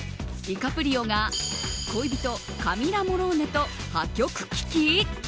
ディカプリオが恋人カミラ・モローネと破局危機？